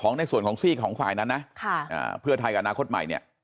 ในส่วนของซีกของฝ่ายนั้นนะเพื่อไทยกับอนาคตใหม่เนี่ย